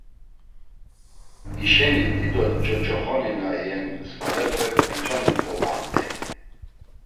Hişeni dido ç̌oç̌oxi na iyen svalepe bitoni dvobamt̆ey.